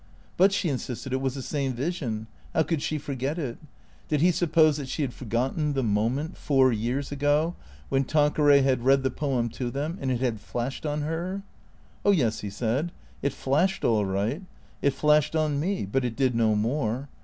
But, she insisted, it was tlie same vision. How could she forget it? Did he suppose that she had forgotten the moment, four years ago, when Tanqueray had read the poem to them, and it had flashed on her ? "Oh yes," he said; "it flashed all right. It flashed on me. But it did no more.